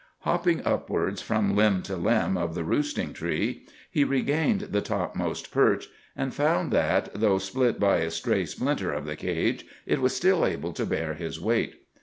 Hopping upwards from limb to limb of the roosting tree, he regained the topmost perch, and found that, though split by a stray splinter of the cage, it was still able to bear his weight.